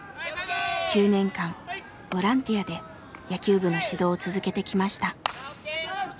９年間ボランティアで野球部の指導を続けてきました。